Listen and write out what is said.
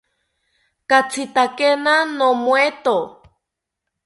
Katzitakena nomoeto